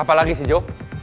apa lagi sih jo